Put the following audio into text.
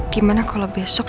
gimana kalau besok